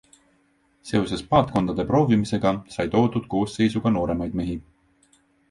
Seoses paatkondade proovimisega sai toodud koosseisu ka nooremaid mehi.